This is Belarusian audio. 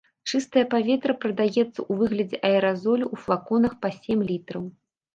Чыстае паветра прадаецца ў выглядзе аэразолю ў флаконах па сем літраў.